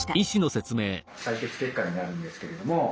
採血結果になるんですけれども。